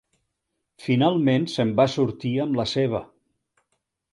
Finalment se'n va sortir amb la seva.